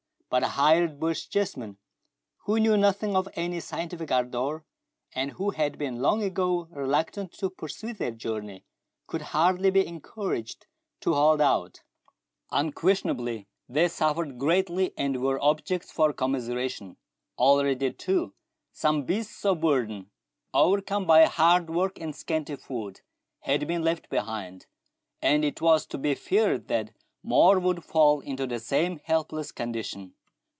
But the hired Bochjesmen, who knew nothing of any scientific ardour, and who had been long ago reluctant to pursue their journey, could hardly be encouraged to hold out : unques tionably they suffered greatly, and were objects for com miseration. Already, too, some beasts of burden, overcome by hard work and scanty food, had been left behind, and it was to be feared that more would fall into the same helpless condition.